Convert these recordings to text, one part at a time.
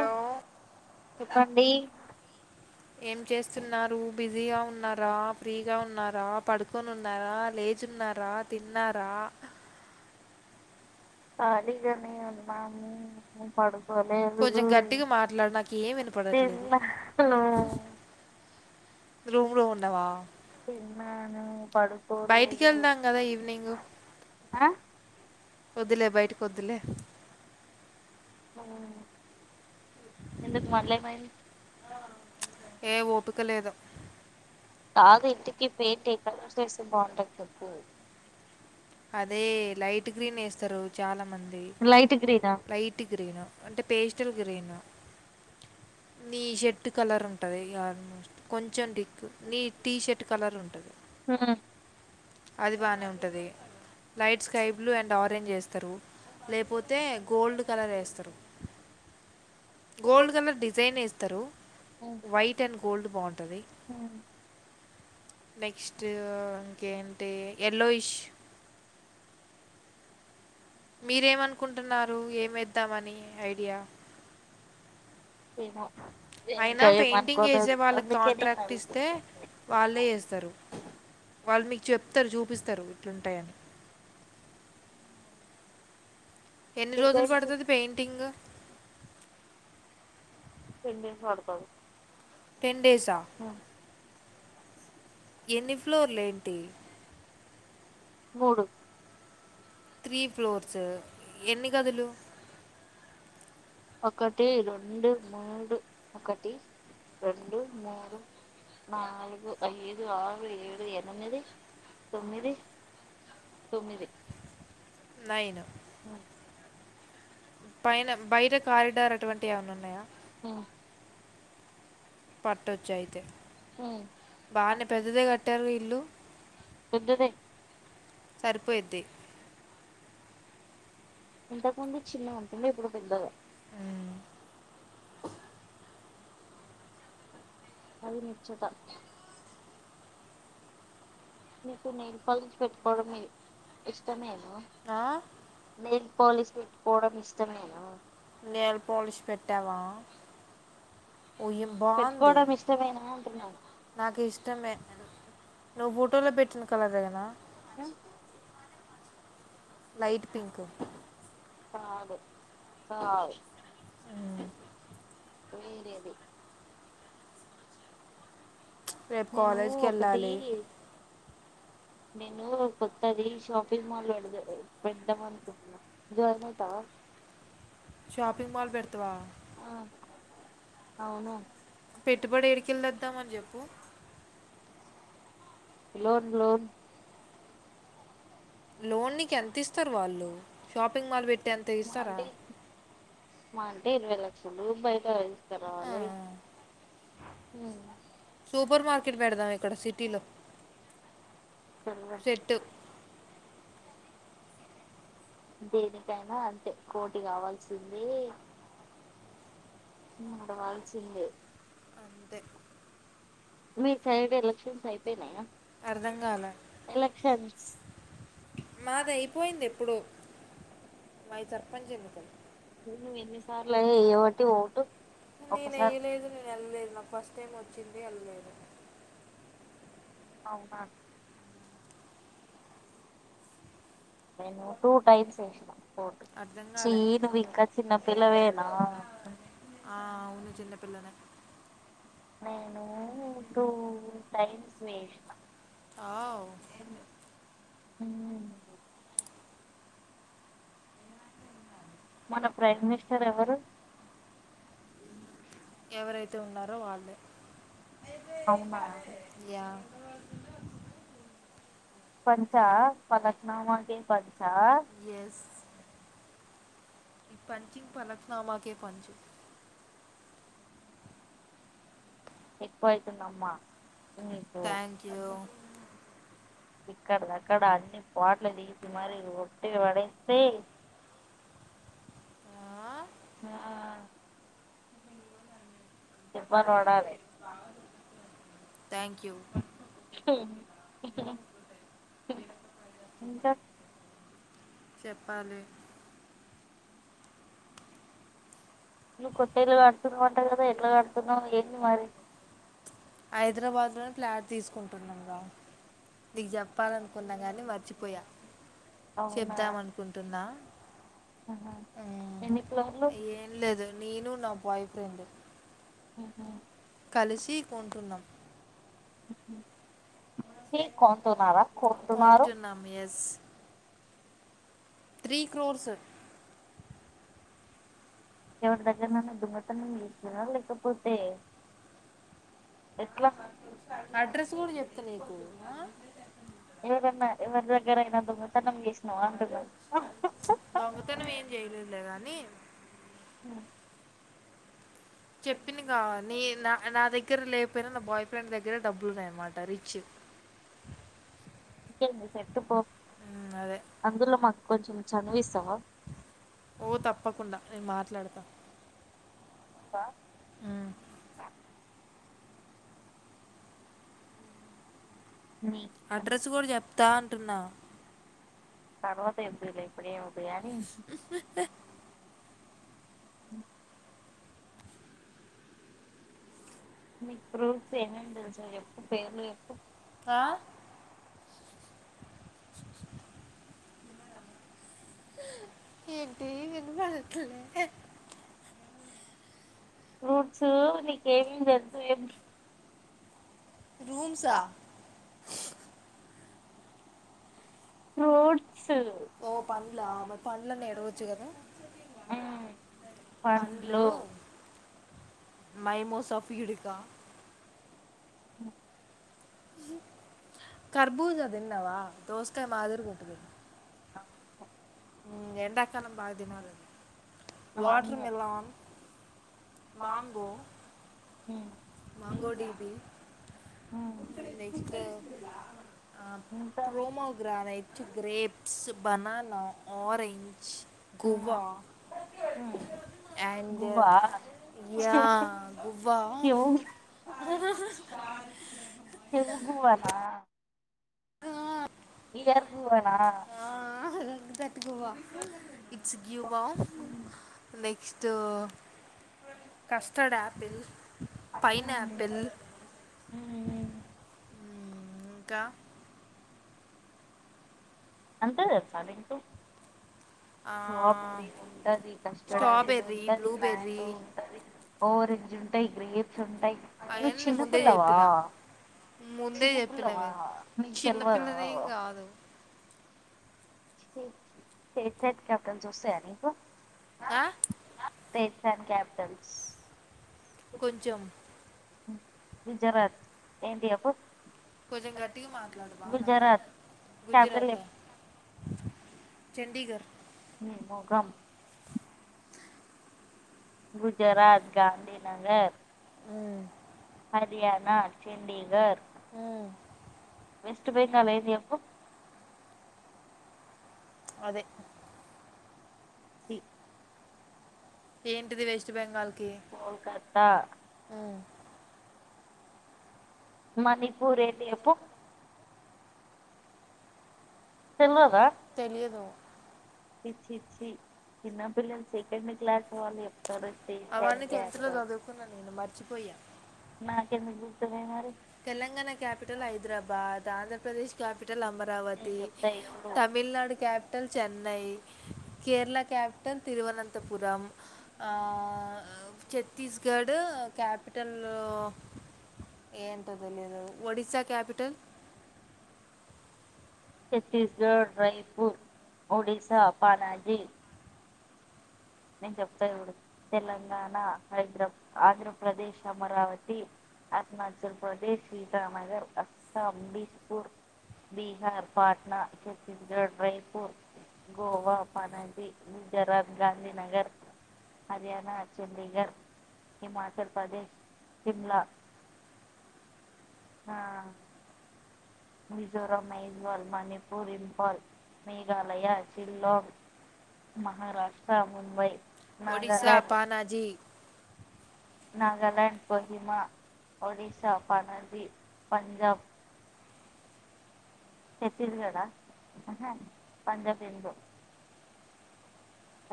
ఆ చెప్పండి స్తున్నారు బిజీగా ఉన్నారా ఫ్రీగా ఉన్నారా పడుకొని ఉన్నారా లేచు ఉన్నారా తిన్నారా దగనే ఉంది మాపడు కొంచెం గట్టిగా మాట్లాడు నాకు ఏమి వినపడట్లేదు తిన్నాను రూమ్ రూమ్ ఉనావా ఉనాను బయటికి వెళ్దాం కదా ఈవినింగ ఆ వద్దులే బయటకి వద్దులే హ్మ్ ఎందుకు మళ్ళీ ఏం అయింది ఏ ఓపిక లేదుో కాగా ఇంటికి పెయింట్ అయ్య కలర్స్ వెస్థే బాగుంటని చెప్పు అదే లైట్ గ్రీన్ వేస్తారు చాలా మం ది లైట్ గ్రీనా లైట్ గ్రీను అంటే పేస్టల్ గ్రీన్ నీ షర్ట్ కలర్ ఉంటది ఆల్మోట్ కొంచెం డి నీ టీ షర్ట్ కలర్ ఉంటది అది బానే ఉంటది light sky blue and orange వేస్తారు లేకపోతే గోల్డ్ కలర్ వేస్తారు గోల్డ్ కలర్ డిజైన్ ఇస్తం త్తరు వైట్ అండ్ గోల్డ్ బాగుంటుంది నెక్స్ట్ ఇంకేంటి ఎల్లోయిష్ మీరేమనుకుంటున్నారు ఎమెధమణి ఐడియా ఎమో అయినా పెయింటింగ్ వేసే వాళ్ళకి నేను కాంట్రాక్ట్ అడుగుతున్న ఇస్తే వాళ్ళే చేస్తారు వాళ్ళు మీకు చెప్తారు చూపిస్తారు ఇట్లుంటాయని ఎన్ని రోజులు డిజైన్స్ పడుతుది పెయింటింగ్ టెన్ డేస్ పడ్తాది టెన్ డేసా హ్మ్ ఎన్ని ఫ్లోర్లు ఏంటి మూడు త్రీ ఫ్లోర్స్ ఎన్ని గదులు ఒకటి రెండు మూడు ఒకటి రెండు మూడు నాలుగు ఐదు ఆరు ఏడు ఎనిమిది తొమ్మిది తొమ్మిది నైను ఆ పైన బయట కారిడార్ అటువంటి అ ఏమన్నా ఉన్నాయా హు పెట్టొచ్చు అయితే ఉమ్ బానే పెద్దదే కట్టారు ఇల్లు పెద్దదే సరిపోయిద్ది ఇంతకుముందు చిన్న ఉంటుండే ఇప్పుడు పెద్దగా హు అది ముచ్చట మీకు నీల్ [unintelligible] పెట్టుకోవడం మీ ఇష్టమేన ఆ నెల్ పాలిష్ పెట్టు పోవడం ఇష్టమేనా నెల్ పాలిష్ పెట్టావా బాగుంది పెట్టుకోవడం ఇష్టమేనా అంటున్నాను నాకు ఇష్టమే నువ్వు బుట్టిలో పెట్టిన కలరేనా హు లైట్ పింక్ అదే అదే వేరేది రేపు నేను కాలేజ్కి ఒకటి వెళ్ళాలి. నేను కొత్తది షాపింగ్ మాల్ పెదామనుకుంటున్నా జాయిన్ అయితవ షాపింగ్ మాల్ పెడతావా ఆ అవును పెట్టుబడి ఏడికెల్లి తెద్దామని చెప్పు లోన్ లోన్ లోన్ నీకి ఎంత ఇస్తారు వాళ్ళు షాపింగ్ మాల్ పెట్టి టెన్త్ మా ఇస్తారా అంటే మా అంటే ఇరవై లక్షలు బయట ఆ, [unintelligible] హు సూపర్ మార్కెట్ పెడదాం ఇక్కడ సిటీలో సెట్ కింద దేనికైనా అంతే కోటి కావాల్సిందే నడవాల్సిందే అంతే మీ సైడ్ ఎలక్షన్స్ అయిపోయినయా అర్ధం కాల మాది అయిపోయింది ఎప్పుడు మయి సర్పంచ్ ఎన్నిక నను ఎన్నిసార్లుయ ఏయ్య ఒకటి ఒకఓటు నను ఇల్లే ఇదు నేను ఎల్ ఇ నా ఫస్ట్ టైమ్ అ జింది వెళలేదు అవునా టూ టైప్స్ అర్థం చి కాలే నువ్వు ఇంకా చిన్నపిల్లవేనా ఆ, అవును చిన్నపిల్లనే నేను ఇప్పుూ టైమ్స్ వేసిన ఆ తిన్నాం మ్ మన ప్రైమ్ మినిస్టర్ ఎవరు ఎవరైతే ఉన్నారో వాల్లే అవునా పంచా పలకనామాకే పంచ్ ఎస్ ఈ పంచింగ్ పలక్నామాకే పంచు ఎక్కువ అయితుందమ్మా థ్యాంక్ యూ ఇక్కడ దక్కడ అన్ని పాట్లు పిడిచి మరి ఒటిగా పడేస్తే ఆా దెబ్బలు పడాలి థ్యాంక్ యూ ఇంకా చెప్పాలి నువ్వు కొత్తది కడుతున్నా అంట కదా ఎట్లా కడుతున్నావు ఏంటి మరి హైదరాబాద్ లో ప్లాట్ తీసుకుంటున్నాంంగా నీకు చెప్పాలనుకున్నాం కానీ మర్చిపోయా అవునా చెప్దాం అనుకుంటున్నా ఆహా మ్ ఎన్ని ఫ్లోర్లు ఏం లేదు నేను నా బాయ్ ఫ్రెండ్ ఆహ కలిసి కొంటున్నాం కొను తమారా కోన్ ఉన్నాం త్రీ క్రోర్స్ ఎవరి దగ్గరన్న దుంగతన తీస్తున్నా లేకపోతే ఎట్లా అడ్రస్ కూడా చెప్తా నీకు ఎవరన్నా ఎవరి దగ్గర అయినా దొంగతనం చేసినావ అంటున్న దొంగతనం ఏం చేయలేదు లే గాని చెప్పింది. కా నీ నా నా దగ్గర లేకపోయినా నా బాయ్ ఫ్రెండ్ దగ్గర డబ్బులు ఉన్నాయి ఆన్నమాట రిచ్ ఇంకేంది సెట్టు పో మ్మ్, అదే అందులో మాకు కొంచెం చనువు ఇస్తావా ఓ తప్పకుండా నేను మర్ ట్లాడత త నీ అన్న. అడ్రస్ కూడా చెప్తా అంటున్నా తర్వత చేప్పుదువు లే ఇప్పుడే ఎమ్ హ్ నీకు ఫ్రూట్స్ ఏమేమి తెలుసో చేప్పు పేర్లు చేప్పు ఆ ఏంటి వినపడాట్లే ఫ్రూట్స్ నీకు ఏమేమీ తెలుసు ఏం రూంసా ఫ్రూట్ ఓ పండ్లా ఆమె పండ్లు అని ఎడవ వచ్చు కదా మ్మ్ పండ్లు మైమోసఫయుడీకా హ్ కర్పూజ దిన్నవా దోసగాయ మాదిరిగా ఉంటది. ఎండా కాలం బాగా తినాలి ఆది వాటర్ అవును మీలన్ మంగో మ్మ్ మ్మ్ మాంగోటిబి నెక్స్ట్ ఆ ఇంకా pomegranate grapes banana orange hmm guava hmm and Guvva గువ్వ ఏవ్ గువ్వన ఇయ్యాకు అంటే ఆ దట్ గోవా గ్యువ నే క్స్ట్ కస్టడ్ ఆపిల్ ఇంకా అంతే తెల్సా నీకు స్ట్రాబెరీ ఉండది కస్టర్డ్ అపిల్ స్ట్రాబెర్రీ ఉండది బ్లూబెర్రీ మ్యాంగో ఉంటది ఓరెంజ ఉంటై గ్రీప్ ఉంటాయి నువ్ అవన్నీ నేను ముందే చిన్నపిల్లవా చెప్పిన ముందే చిన్నపిల్లవా చెప్పినవి నీకు తెలవదా చిన్నపిల్లనేం కాదు చి చేర్ చాట్ కార్టున్స్ వస్తయ నికు ఆ? తెనుసాట్ క్యాప్ టమ్స్ కొంచెం గుజరాత్ ఎంటి చెప్పు కొంచెం గట్టిగా మాట్లాడు బా నాకు గుజరాత్ క్యాపిటల్ గుజరాత్ అ చెప్పు చండిగర్ ని మోకం గుజరాత్ గాంధీనగర్ ఉమ్, హర్యాణ చండిగర్ ఉం వెస్ట్ బెంగాల్ ఏంది చెప్పు అదే ఇ ఏంటిది వెస్ట్ బెంగాల్ కోలకత్తా మణిపూర్ ఏంటి చెప్పు తెల్వదా తెలియదు ఇచ్చి ఇచ్చి చిన్నపిల్లలు సెకండ్ క్లాస్ వాళ్ళు చెప్ అవాన్ని టెంతులో చదువుకున్నా నీను మరిచిపోయా [unintelligible] Telangana capital Hyderabad Andhra Pradesh capital Amaravati దేవుడు Tamil Nadu capital Chennai Kerala capital Thiruvananthapuram Chhattisgarh capital ఏంటో తెలియదు ఒడిస్సా క్యాపిటల్ ఛత్తస్గఢ రయపూర్ ఒడిసా పనాజీ నేను చెప్తా చూడు తెలంగాణ హైదరాబద్ ఆంధ్రప్రదేశ్ అమరావతి అరుణాచల్ ప్రదేశ్ శ్రీరామగర్ అస్సాం బిష్పూర్ బీహార్ పాట్నా ఛత్తీస్గఢ్ రైపూర్ గోవా పనాజీ గుజరాత్ గాంధీ నగర్ హర్యాణ చండీగర్ హిమాచల్ ప్రదేశ్ సిమ్లా ఆ మిజోరం మేజవాల్ మణిపూర్ ఇంఫాల్ మేఘాలయ షిల్లూరు మహారాష్ట్ర ముంబై ఒడిస్సా నాగాల్యాండ్, పనాజీ నాగాల్యాండ్ కోహిమా ఒడిశా పణజీ పంజాబ్ ఛత్తీస్గడా పంజాబిందు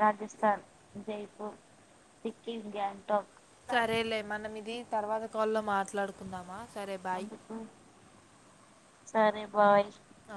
రాజస్థాన్ జయపూర్ సికిం గ్యాన్టన్ కాల్ లో మాట్లాడుకుందామా సరే బాయ్ అందుకు సరే బాయ్ ఆ